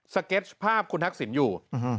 เก็ตภาพคุณทักษิณอยู่